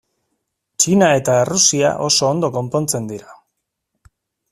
Txina eta Errusia oso ondo konpontzen dira.